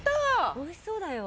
美味しそうだよ。